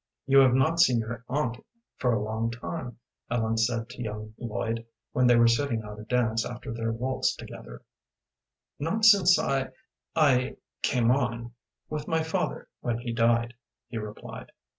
"You have not seen your aunt for a long time," Ellen said to young Lloyd, when they were sitting out a dance after their waltz together. "Not since I I came on with my father when he died," he replied.